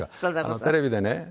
テレビでね